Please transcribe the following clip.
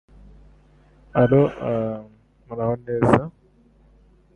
The standardized test does not test for iodine levels in the blood.